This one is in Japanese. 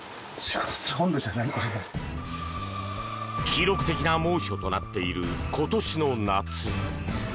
記録的な猛暑となっている今年の夏。